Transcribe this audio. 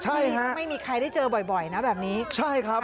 ใช่ไม่มีใครได้เจอบ่อยบ่อยนะแบบนี้ใช่ครับ